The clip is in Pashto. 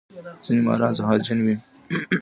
ځینې ماران زهرجن وي